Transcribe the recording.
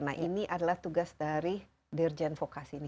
nah ini adalah tugas dari dirjen vokasi ini